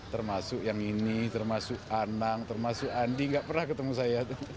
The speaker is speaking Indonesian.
termasuk yang ini termasuk anang termasuk andi gak pernah ketemu saya